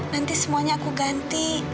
nanti semuanya aku ganti